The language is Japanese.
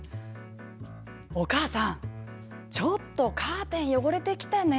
お母さん、このカーテン汚れてきたね。